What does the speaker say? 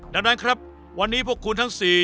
ดังนั้นครับวันนี้พวกคุณทั้ง๔